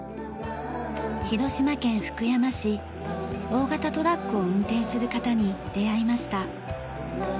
大型トラックを運転する方に出会いました。